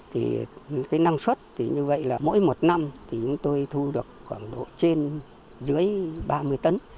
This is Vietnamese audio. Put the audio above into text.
thì cái năng suất thì như vậy là mỗi một năm thì chúng tôi thu được khoảng độ trên dưới ba mươi tấn